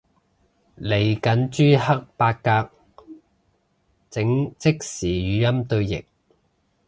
嚟緊朱克伯格整即時語音對譯